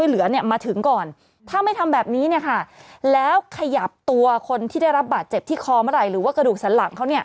แล้วขยับตัวคนที่ได้รับบาดเจ็บที่คอเมื่อไหร่หรือว่ากระดูกสันหลังเขาเนี่ย